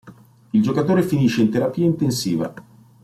Il giocatore finisce in terapia intensiva.